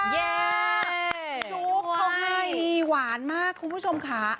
จู๊บของนี่หวานมากคุณผู้ชมค่ะ